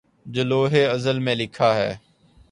جو لوح ازل میں لکھا ہے